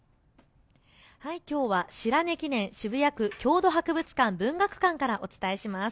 きょうは白根記念渋谷区郷土博物館・文学館からお伝えします。